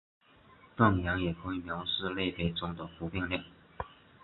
断言也可以描述类别中的不变量。